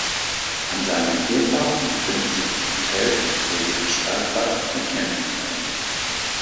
An seinem Ufer befinden sich ein Hotel sowie ein Strandbad mit Campingplatz.